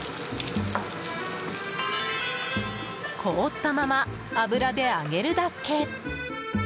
凍ったまま、油で揚げるだけ。